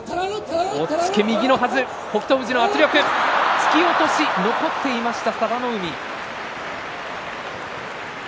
突き落とし残っていました佐田の海。